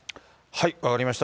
分かりました。